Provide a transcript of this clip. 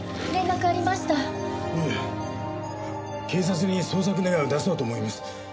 警察に捜索願を出そうと思います。